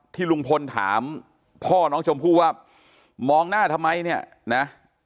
ลุงพลถามพ่อน้องชมพู่ว่ามองหน้าทำไมเนี่ยนะ